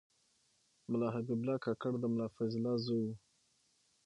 علامه حبیب الله کاکړ د ملا فیض الله زوی و.